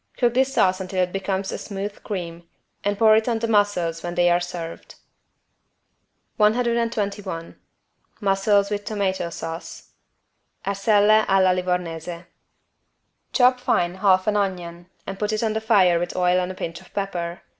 Cook this sauce until it becomes a smooth cream and pour it on the mussels when they are served. 121 MUSSELS WITH TOMATO SAUCE (Arselle alla livornese) Chop fine half an onion and put it on the fire with oil and a pinch of pepper.